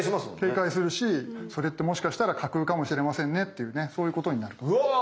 警戒するしそれってもしかしたら架空かもしれませんねっていうねそういうことになると。